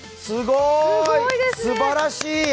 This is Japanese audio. すごい、すばらしい。